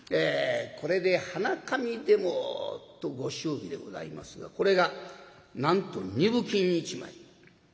これで鼻紙でも」とご祝儀でございますがこれがなんと二分金一枚。